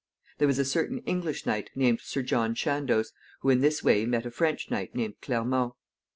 There was a certain English knight, named Sir John Chandos, who in this way met a French knight named Clermont.